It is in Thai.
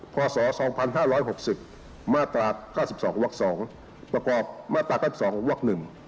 ข้อ๒๕๖๐มาตรา๙๒วัก๒ประกอบมาตรา๙๒วัก๑บวงเล็ก๓